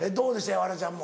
ヤワラちゃんも。